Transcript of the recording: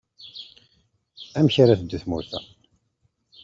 Amek ara teddu tmurt-a.